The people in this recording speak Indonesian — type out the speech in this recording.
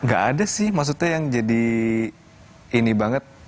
gak ada sih maksudnya yang jadi ini banget